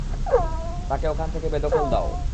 তাকে ওখান থেকে বেদখল দাও।